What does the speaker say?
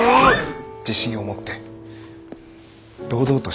自信を持って堂々としてほしい。